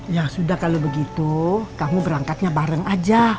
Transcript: ya sudah kalau begitu kamu berangkatnya bareng aja